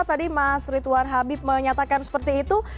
tadi mas ritwan habib menyatakan seperti itu